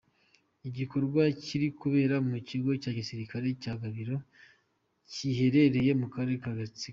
Igikorwa kiri kubera mu kigo cya gisirikare cya Gabiro, giherereye mu karere ka Gatsibo.